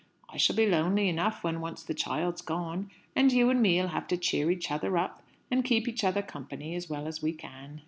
I shall be lonely enough when once the child's gone; and you and me'll have to cheer each other up, and keep each other company, as well as we can.